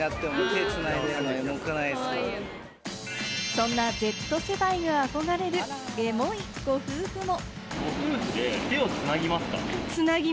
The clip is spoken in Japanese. そんなＺ世代が憧れるエモいご夫婦も。